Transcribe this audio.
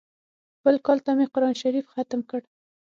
بل کال ته مې قران شريف ختم کړ.